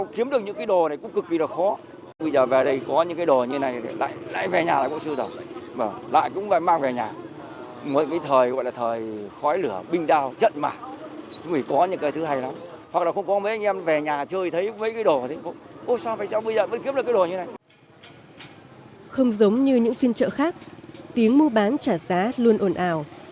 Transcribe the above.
không giống như những phiên chợ khác tiếng mua bán trả giá luôn ồn ào